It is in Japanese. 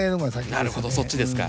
なるほどそっちですか。